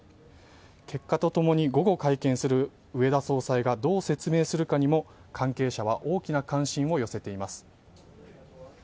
結果とともに午後、会見する植田総裁がどう説明するかにも関係者は大きな関心を寄せています。